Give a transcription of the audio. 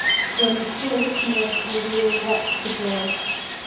When we saw this miracle, we all wept for joy.